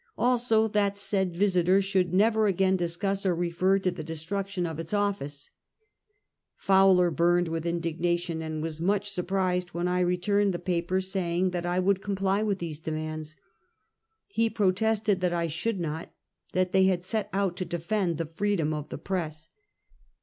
Also, that said Yisiter should never again discuss or refer to the de struction of its office. Fowler burned with indignation, and was much surprised when I returned the paper, saying that I 192 Half a Oentuet. would comply with these demands. He protested that I should not — that they had set out to defend the free dom of the press.